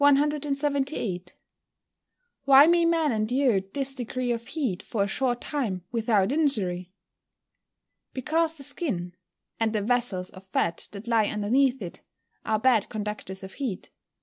Why may man endure this degree of heat for a short time without injury? Because the skin, and the vessels of fat that lie underneath it, are bad conductors of heat.